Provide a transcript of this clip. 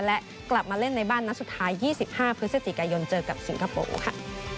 และกลับมาเล่นในบ้านนัดสุดท้าย๒๕พฤศจิกายนเจอกับสิงคโปร์ค่ะ